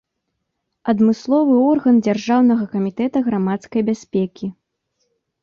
Адмысловы орган дзяржаўнага камітэта грамадскай бяспекі.